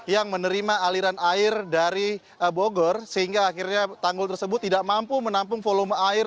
yang menerima aliran air dari bogor sehingga akhirnya tanggul tersebut tidak mampu menampung volume air